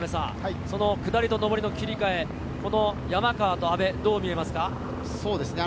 下りと上りの切り替え、山川と阿部、どう見えますか？